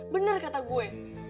bener kata gue